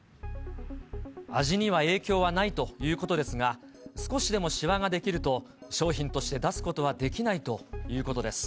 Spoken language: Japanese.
味には影響はないということですが、少しでもしわが出来ると、商品として出すことはできないということです。